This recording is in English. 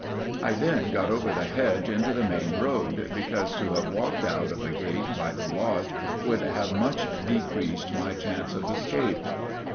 I then got over the hedge into the main road, because to have walked out of the gate by the lodge would have much decreased my chances of escape.